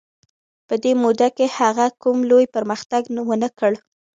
په دې موده کې هغه کوم لوی پرمختګ ونه کړ.